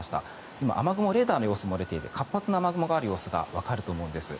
今、雨雲レーダーの様子も出ていまして活発な雨雲がある様子がわかると思います。